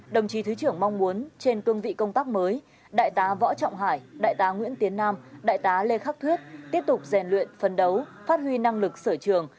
đồng chí thứ trưởng mong muốn trên cương vị công tác mới đại tá võ trọng hải đại tá nguyễn tiến nam đại tá lê khắc thuyết tiếp tục rèn luyện phân đấu phát huy năng lực sở trường